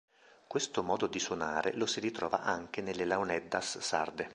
Questo modo di suonare lo si ritrova anche nelle launeddas sarde.